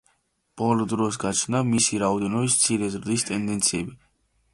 ბოლო დროს გაჩნდა მისი რაოდენობის მცირედი ზრდის ტენდენციები.